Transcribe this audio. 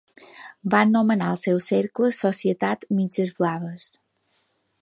Van nomenar el seu cercle Societat Mitges Blaves.